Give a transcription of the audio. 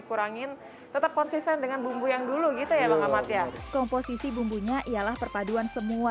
kurangin tetap konsisten dengan bumbu yang dulu gitu ya komposisi bumbunya ialah perpaduan semua